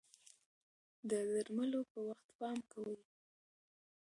د درملو په وخت پام کوئ.